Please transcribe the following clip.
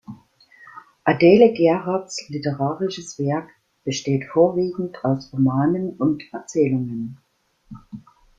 Adele Gerhards literarisches Werk besteht vorwiegend aus Romanen und Erzählungen.